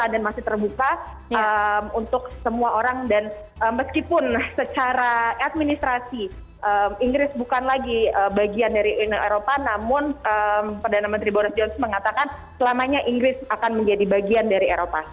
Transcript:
dan masih terbuka untuk semua orang dan meskipun secara administrasi inggris bukan lagi bagian dari uni eropa namun perdana menteri boris johnson mengatakan selamanya inggris akan menjadi bagian dari eropa